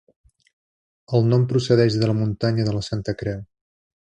El nom procedeix de la Muntanya de la Santa Creu.